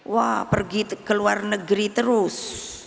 wah pergi ke luar negeri terus